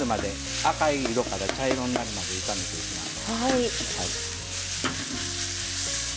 赤い色から茶色になるまで炒めていきます。